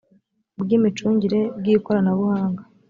bw imicungire bw ikoranabuhanga